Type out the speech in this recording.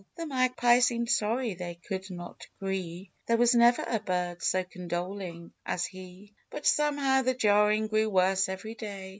The Magpie seemed sorry they could not agree; There was never a bird so condoling as he ; But, somehow, the jarring grew worse every day.